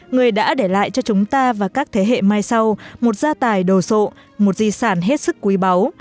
người đã để lại cho chúng ta và các thế hệ mai sau một gia tài đồ sộ một di sản hết sức quý báu